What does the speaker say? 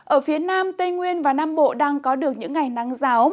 ở phía nam tây nguyên và nam bộ đang có được những ngày nắng giáo